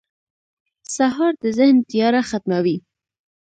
سهار د ذهن تیاره ختموي.